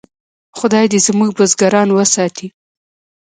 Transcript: خدای دې زموږ بزګران وساتي.